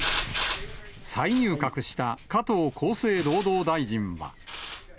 再入閣した加藤厚生労働大臣は。